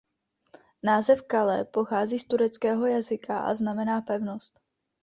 Název "kale" pochází z tureckého jazyka a znamená pevnost.